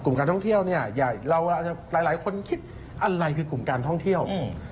กลุ่มการท่องเที่ยวหลายคนคิดอะไรคือกลุ่มการท่องเที่ยว